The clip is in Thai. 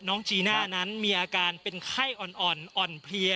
จีน่านั้นมีอาการเป็นไข้อ่อนอ่อนเพลีย